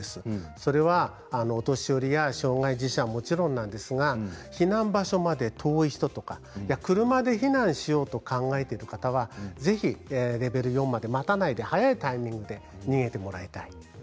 それは、お年寄りや障害児者はもちろんなんですが避難場所まで遠い人とか車で避難しようと考えている方はぜひ、レベル４まで待たないで早いタイミングで逃げてもらいたい。